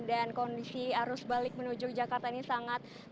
dan kondisi arus balik menuju jakarta ini sangat berbeda